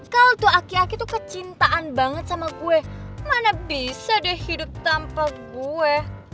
kau tuh laki laki tuh kecintaan banget sama gue mana bisa deh hidup tanpa gue